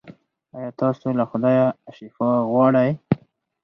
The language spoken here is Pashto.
ایا تاسو له خدایه شفا غواړئ؟